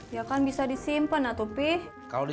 ya kan bisa disimpen atau pi